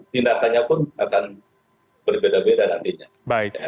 tindakannya pun akan berbeda beda nantinya